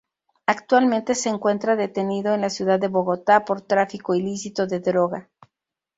Actualmente se encuentra detenido en la ciudad de Bogotá por tráfico ilícito de droga.